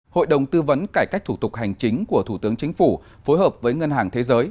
hội đồng tư vấn cải cách thủ tục hành chính của thủ tướng chính phủ phối hợp với ngân hàng thế giới